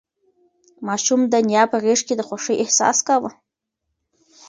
ماشوم د نیا په غېږ کې د خوښۍ احساس کاوه.